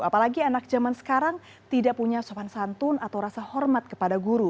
apalagi anak zaman sekarang tidak punya sopan santun atau rasa hormat kepada guru